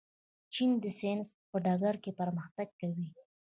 چین د ساینس په ډګر کې پرمختګ کوي.